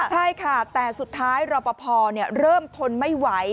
ใช่ค่ะแต่สุดท้ายรอปภเริ่มทนไม่ไหว